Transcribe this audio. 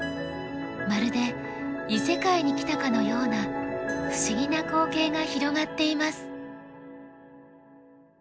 まるで異世界に来たかのような不思議な光景が広がっています。